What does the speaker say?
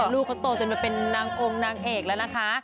ลูกเขาโตจนมาเป็นนางองค์นางเอกแล้วนะคะ